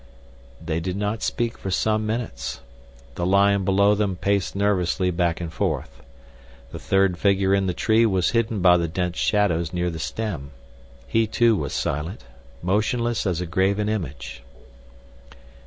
They did not speak for some minutes. The lion below them paced nervously back and forth. The third figure in the tree was hidden by the dense shadows near the stem. He, too, was silent—motionless as a graven image.